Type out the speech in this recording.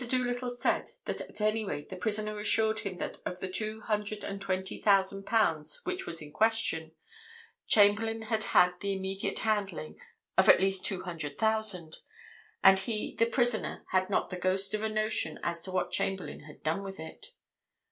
Doolittle said at any rate the prisoner assured him that of the two hundred and twenty thousand pounds which was in question, Chamberlayne had had the immediate handling of at least two hundred thousand, and he, the prisoner, had not the ghost of a notion as to what Chamberlayne had done with it.